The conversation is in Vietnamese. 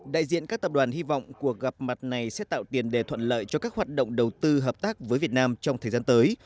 đại diện các tập đoàn hy vọng cuộc gặp mặt này sẽ tạo tiền đề thuận lợi cho các hoạt động đầu tư hợp tác với việt nam trong thời gian tới